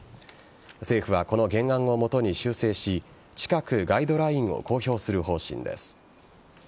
政府は、この原案を基に修正し近くガイドラインを公表する方針です。